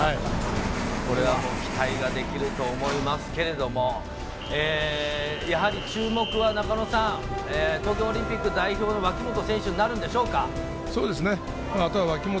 これはもう期待ができると思いますけれども、やはり注目は、中野さん、東京オリンピック代表の脇本選手になるんでしょうか。